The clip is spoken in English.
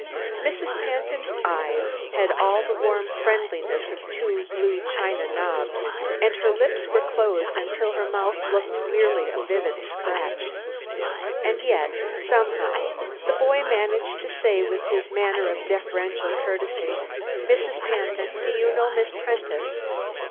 Mrs. Pantin's eyes had all the warm friendliness of two blue china knobs and her thin lips were closed until her mouth looked merely a vivid scratch. Yet, somehow, the boy managed to say with his manner of deferential courtesy: "Mrs. Pantin, do you know Miss Prentice?"